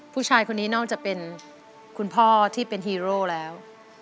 ผู้ชายคนนี้นอกจากเป็นคุณพ่อที่เป็นฮีโร่แล้ว